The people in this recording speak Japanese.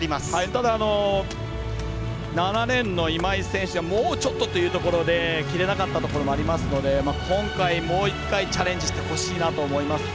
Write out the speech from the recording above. ただ７レーンの今井選手はもうちょっとというところで切れなかったところもあるので今回、もう１回チャレンジしてほしいなと思います。